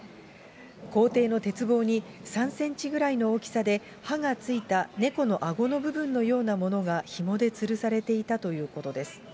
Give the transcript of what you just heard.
校庭の鉄棒に、３センチぐらいの大きさで、歯がついた猫のあごの部分のようなものが、ひもでつるされていたということです。